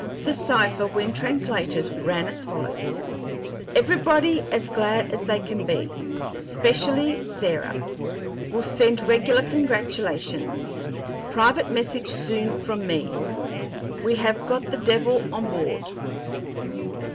The cipher, when translated, ran as follows: "Everybody as glad as they can be. Specially Sarah. Will send regular congratulations. Private message soon from me. We have got the devil on board."